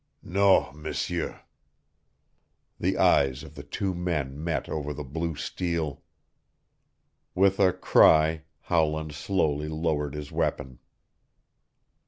"Non, M'seur." The eyes of the two men met over the blue steel. With a cry Howland slowly lowered his weapon.